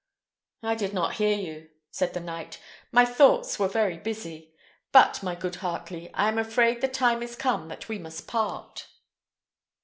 "I did not hear you," said the knight. "My thoughts were very busy. But, my good Heartley, I am afraid the time is come that we must part."